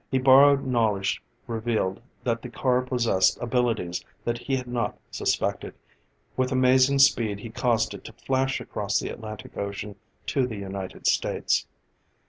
His borrowed knowledge revealed that the car possessed abilities that he had not suspected; with amazing speed he caused it to flash across the Atlantic Ocean to the United States.